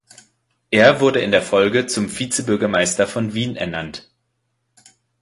Er wurde in der Folge zum Vizebürgermeister von Wien ernannt.